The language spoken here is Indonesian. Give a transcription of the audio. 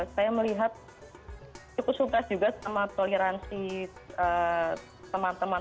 saya melihat cukup suka juga sama toleransi teman teman